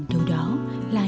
từ đó là những sai điệu sâu lắng